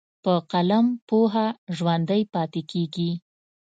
په قلم پوهه ژوندی پاتې کېږي.